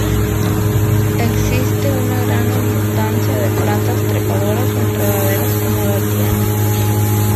Existe una gran abundancia de plantas trepadoras o enredaderas, como las lianas.